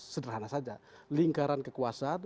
sederhana saja lingkaran kekuasaan